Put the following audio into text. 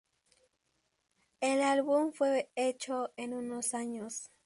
El álbum fue hecho en unos años.